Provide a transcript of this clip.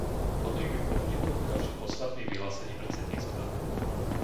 Vhodných by bolo niekoľko ďalších podstatných vyhlásení predsedníctva.